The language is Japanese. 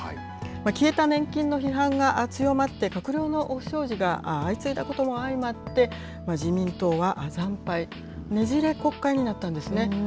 消えた年金の批判が強まって、閣僚の不祥事が相次いだことも相まって、自民党は惨敗、ねじれ国会になったんですね。